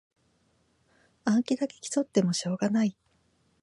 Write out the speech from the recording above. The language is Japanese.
暗記だけ競ってもしょうがない